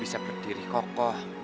bisa berdiri kokoh